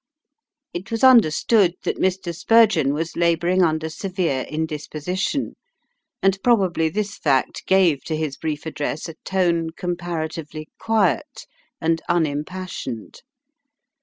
It was understood that Mr. Spurgeon was labouring under severe indisposition, and probably this fact gave to his brief address a tone comparatively quiet and unimpassioned.